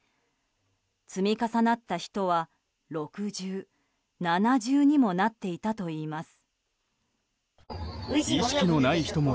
積み重なった人は６重、７重にもなっていたといいます。